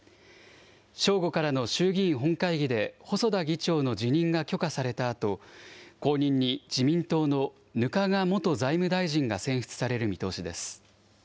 正午からの衆議院本会議で、細田議長の辞任が許可されたあと、後任に自民党の額賀元財務大臣が選出される見通しです。